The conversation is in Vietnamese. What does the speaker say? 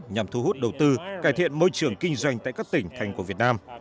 nhằm thu hút đầu tư cải thiện môi trường kinh doanh tại các tỉnh thành của việt nam